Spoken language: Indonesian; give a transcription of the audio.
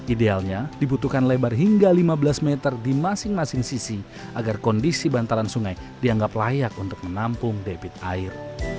idealnya dibutuhkan lebar hingga lima belas meter di masing masing sisi agar kondisi bantaran sungai dianggap layak untuk menampung debit air